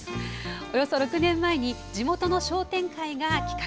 およそ６年前に地元の商店会が企画。